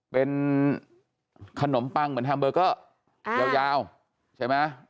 เป็นขนมปังเหมือนแฮมเบอร์เกอร์ยาวใช่ไหม